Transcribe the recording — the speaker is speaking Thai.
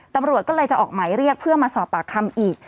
ตำรวจก็เลยจะออกหมายเรียกเพื่อมาสอบปากคำอีก